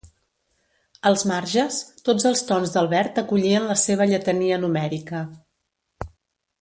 Als marges, tots els tons del verd acollien la seva lletania numèrica.